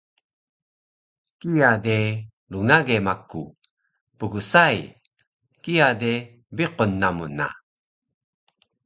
Kiya de rngage maku. Pgsai, kiya de biqun namu na